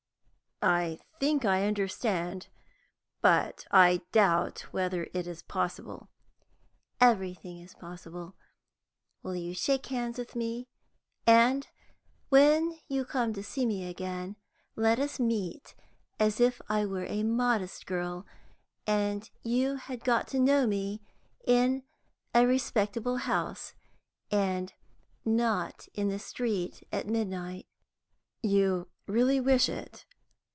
"I think I understand, but I doubt whether it is possible." "Everything is possible. Will you shake hands with me, and, when you come to see me again, let us meet as if I were a modest girl, and you had got to know me in a respectable house, and not in the street at midnight?" "You really wish it?